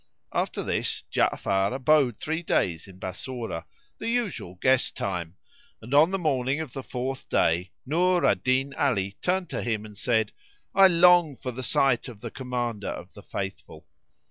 After this Ja'afar abode three days in Bassorah, the usual guest time, and on the morning of the fourth day, Nur al Din Ali turned to him and said, "I long for the sight of the Commander of the Faithful."